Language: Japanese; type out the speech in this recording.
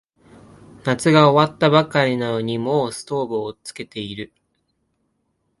夏が終わったばかりなのにもうストーブつけてる